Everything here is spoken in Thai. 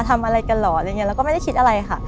ทำอะไรกันเหรออะไรอย่างนี้แล้วก็ไม่ได้คิดอะไรค่ะ